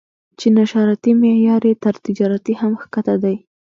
چې نشراتي معیار یې تر تجارتي هم ښکته دی.